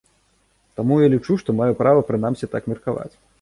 Таму я лічу, што маю права прынамсі так меркаваць.